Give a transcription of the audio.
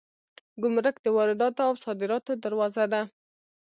ګمرک د وارداتو او صادراتو دروازه ده